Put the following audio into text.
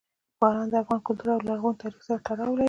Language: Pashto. باران د افغان کلتور او لرغوني تاریخ سره تړاو لري.